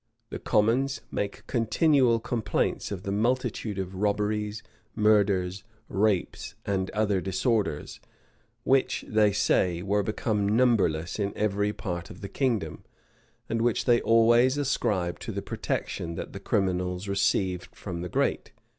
The commons make continual complaints of the multitude of robberies, murders, rapes, and other disorders, which, they say, were become numberless in every part of the kingdom, and which they always ascribe to the protection that the criminals received from the great.